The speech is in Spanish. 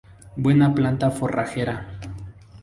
Buena planta forrajera.